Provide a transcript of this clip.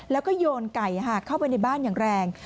แล้วก็โยนไก่เข้าไปในบ้านอย่างแรง